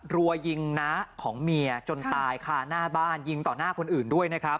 รัวยิงน้าของเมียจนตายค่ะหน้าบ้านยิงต่อหน้าคนอื่นด้วยนะครับ